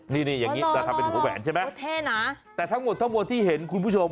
นี่นี่อย่างนี้จะทำเป็นหัวแหวนใช่ไหมเท่นะแต่ทั้งหมดทั้งหมดที่เห็นคุณผู้ชม